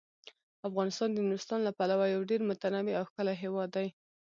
افغانستان د نورستان له پلوه یو ډیر متنوع او ښکلی هیواد دی.